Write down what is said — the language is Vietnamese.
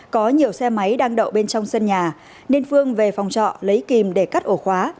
có nhiều xe máy đang đậu bên trong sân nhà nên phương về phòng trọ lấy kìm để cắt ổ khóa